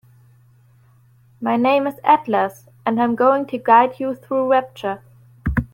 My name is Atlas and I'm going to guide you through Rapture.